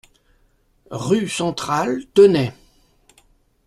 Rue Centrale, Tenay